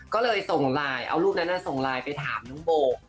ก็เลยส่งลายรูปนั่นไปถามน้องโบ